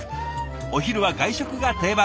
お昼は外食が定番。